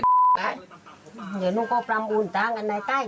เดี๋ยวหนูก็ปรับอุ้นตามกันนะได้ทิ้งนี้